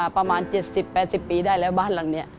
ประมาณ๗๐๘๐ปีได้แล้วบ้านหลังนี้